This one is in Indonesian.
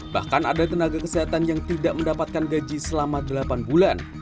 bahkan ada tenaga kesehatan yang tidak mendapatkan gaji selama delapan bulan